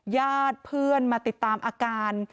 ญาติเพื่อนมาติดตามอาการ